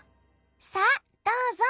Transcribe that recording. さあどうぞ！